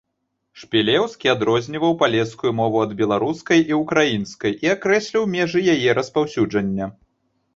Шпілеўскі адрозніваў палескую мову ад беларускай і ўкраінскай і акрэсліў межы яе распаўсюджання.